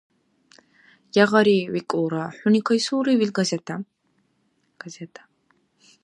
— Ягъари, - викӀулра, - хӀуни кайсулрив ил газета?